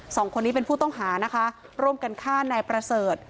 สองคนนี้เป็นผู้ต้องหานะคะร่วมกันฆ่านายประเสริฐ